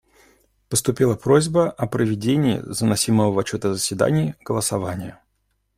Поступила просьба о проведении заносимого в отчет о заседании голосования.